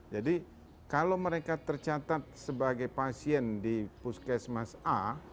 jadi kalau mereka tercatat sebagai pasien di puskesmas a